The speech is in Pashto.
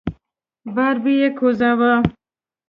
بار به يې کوزاوه.